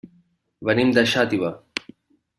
Venim de Xàtiva.